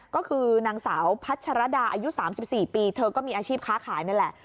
ก็คือนางสาวพัชรดาอายุ๓๔ปีเธอก็มีอาชีพค้าขายนั่นแหละ